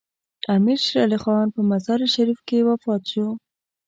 امیر شیر علي خان په مزار شریف کې وفات شو.